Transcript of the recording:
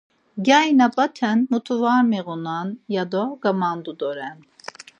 Gyari na-p̌aten mutu var miğunan' ya do gamandu doren.